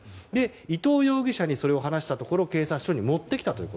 伊藤容疑者にそれを話したところ警察署に持ってきたと。